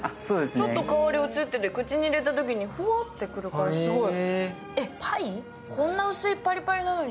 ちょっと香り移ってて、口に入れたときにふわってくるから、すごい。